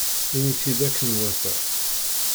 Ini-t-id akken iwata.